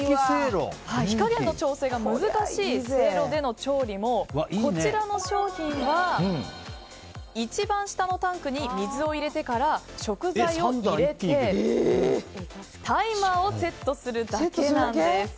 火加減の調整が難しいせいろでの調理もこちらの商品は一番下のタンクに水を入れてから食材を入れてタイマーをセットするだけなんです。